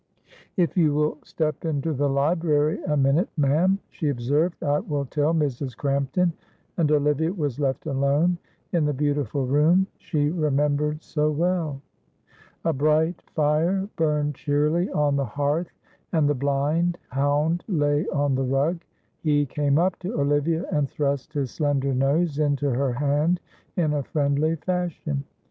"If you will step into the library a minute, ma'am," she observed, "I will tell Mrs. Crampton," and Olivia was left alone in the beautiful room she remembered so well. A bright fire burned cheerily on the hearth and the blind hound lay on the rug; he came up to Olivia and thrust his slender nose into her hand in a friendly fashion.